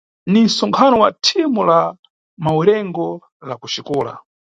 Ni nʼtsonkhano wa thimu la mawerengo la kuxikola.